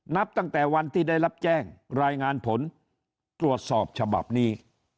นับตั้งแต่วันที่ได้รับแจ้งรายงานผลตรวจสอบฉบับนี้